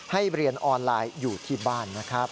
เรียนออนไลน์อยู่ที่บ้านนะครับ